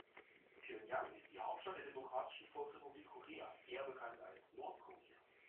Pjöngjang ist die Hauptstadt der Demokratischen Volksrepublik Korea, eher bekannt als Nordkorea.